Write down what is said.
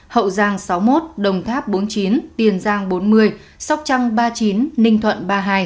hậu giang sáu một đồng tháp bốn chín tiền giang bốn một mươi sóc trăng ba chín ninh thuận ba hai